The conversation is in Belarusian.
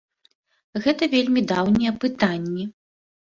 Гэта вельмі даўнія пытанні.